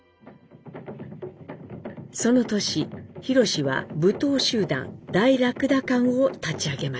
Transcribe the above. その年宏は舞踏集団「大駱駝艦」を立ち上げました。